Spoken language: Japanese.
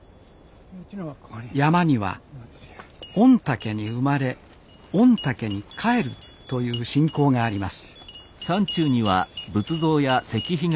山には「御嶽に生まれ御嶽にかえる」という信仰があります